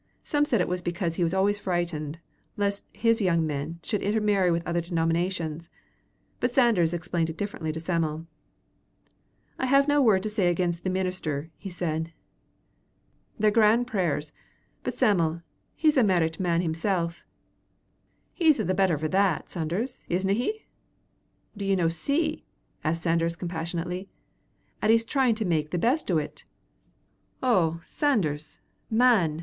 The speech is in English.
Some said it was because he was always frightened lest his young men should intermarry with other denominations, but Sanders explained it differently to Sam'l. "I hav'na a word to say agin the minister," he said; "they're gran' prayers, but Sam'l, he's a mairit man himsel." "He's a' the better for that, Sanders, isna he?" "Do ye no see," asked Sanders, compassionately, "'at he's tryin' to mak the best o't?" "Oh, Sanders, man!"